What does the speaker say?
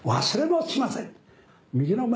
忘れもしません。